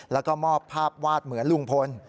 แล้วก็มอบภาพวาดเหมือนลุงพล